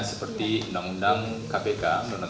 seperti undang undang kpk